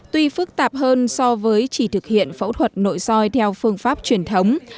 tuy phức tạp hơn so với chỉ thực hiện phẫu thuật nội soi theo phương pháp truyền thống